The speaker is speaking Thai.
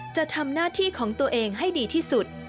จะทำหน้าที่ของตัวเองให้ดีที่สุด